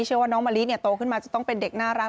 เชื่อว่าน้องมะลิโตขึ้นมาจะต้องเป็นเด็กน่ารัก